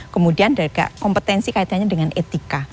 kemudian kompetensi kaitannya dengan etika